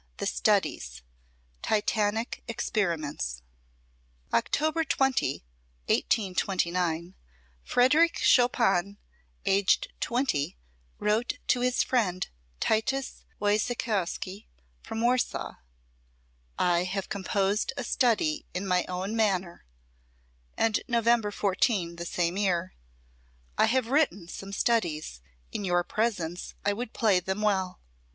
THE STUDIES: TITANIC EXPERIMENTS October 20, 1829, Frederic Chopin, aged twenty, wrote to his friend Titus Woyciechowski, from Warsaw: "I have composed a study in my own manner;" and November 14, the same year: "I have written some studies; in your presence I would play them well."